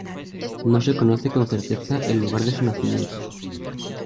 No se conoce con certeza el lugar de su nacimiento.